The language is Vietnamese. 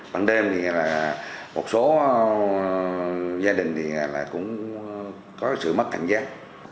bằng đêm thì là một số gia đình thì là cũng có sự mất hành giác